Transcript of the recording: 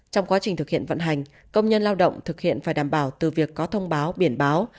trong quá trình thực hiện vận hành công nhân lao động thực hiện phải đảm bảo từ việc có thông báo biển báo